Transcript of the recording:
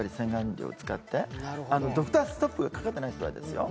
ドクターストップがかかってない人はですよ。